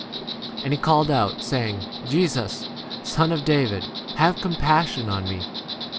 And he called out, saying, Jesus, Son of David, have compassion on me.